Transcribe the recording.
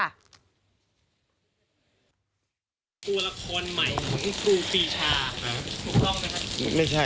ก็ควรใหม่เป็นคุณคือปีชา